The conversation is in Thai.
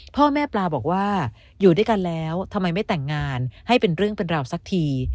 พ่อแม่ปลาบอกว่าอยู่ด้วยกันแล้วทำไมไม่แต่งงานให้เป็นเรื่องเป็นราวสักที